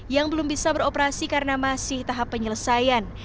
yang belum bisa beroperasi karena masih tahap penyelesaian